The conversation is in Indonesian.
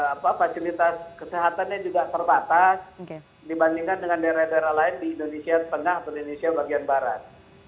apa fasilitas kesehatannya juga terbatas dibandingkan dengan daerah daerah lain di indonesia tengah atau di indonesia bagian barat